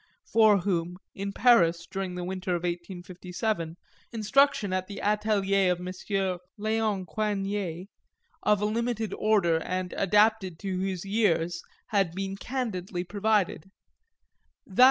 for whom, in Paris, during the winter of 1857, instruction at the atelier of M. Léon Coigniet, of a limited order and adapted to his years, had been candidly provided that M.